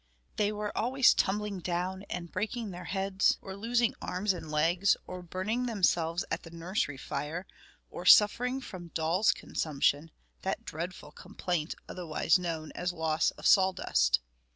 They were always tumbling down and breaking their heads, or losing arms and legs, or burning themselves at the nursery fire, or suffering from doll's consumption, that dreadful complaint otherwise known as loss of sawdust.